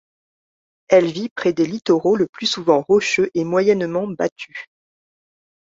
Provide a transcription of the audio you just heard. Elle vit près des littoraux le plus souvent rocheux et moyennement battus.